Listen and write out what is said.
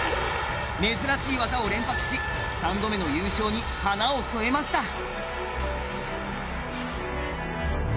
珍しい技を連発し３度目の優勝に華を添えました。